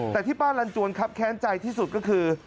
แต่ที่ป้าลันจวนครับแค้นใจที่สุดก็คือ